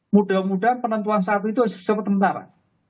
mudah mudahan penentuan satu itu sementara